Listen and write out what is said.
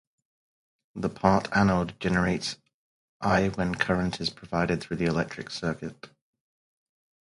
The Part anode generates I when current is provided through the electric circuit.